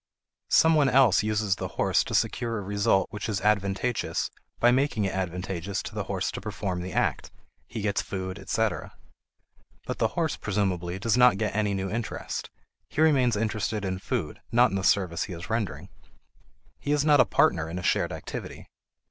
Some one else uses the horse to secure a result which is advantageous by making it advantageous to the horse to perform the act he gets food, etc. But the horse, presumably, does not get any new interest. He remains interested in food, not in the service he is rendering. He is not a partner in a shared activity.